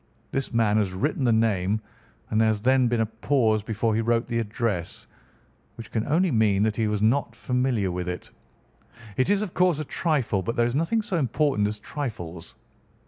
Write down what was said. This man has written the name, and there has then been a pause before he wrote the address, which can only mean that he was not familiar with it. It is, of course, a trifle, but there is nothing so important as trifles.